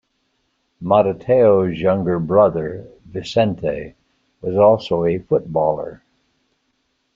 Matateu's younger brother, Vicente, was also a footballer.